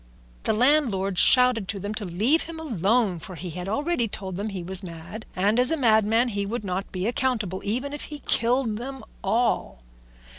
The landlord shouted to them to leave him alone, for he had already told them that he was mad, and as a madman he would not be accountable even if he killed them all.